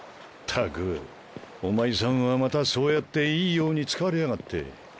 ったくお前さんはまたそうやっていいように使われやがって。